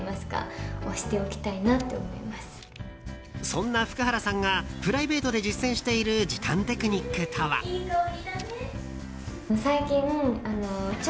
そんな福原さんがプライベートで実践している時短テクニックとは。